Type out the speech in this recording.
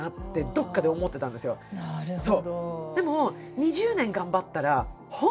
なるほど。